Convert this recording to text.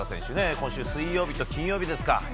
今週水曜日と金曜日ですか